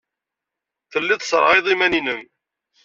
Tellid tesserɣayed iman-nnem.